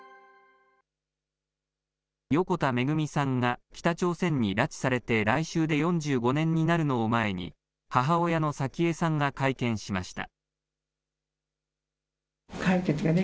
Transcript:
横田めぐみさんが北朝鮮に拉致されて来週で４５年になるのを前に、母親の早紀江さんが会見しました。